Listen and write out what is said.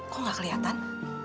kok gak keliatan